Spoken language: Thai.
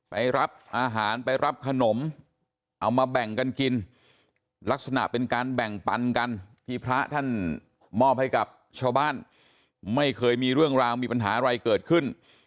ไปรับอาหารไปรับขนมเอามาแบ่งกันกินลักษณะเป็นการแบ่งปันกันที่พระท่านมอบให้กับชาวบ้าน